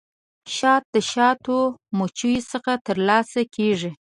شات د شاتو مچیو څخه ترلاسه کیږي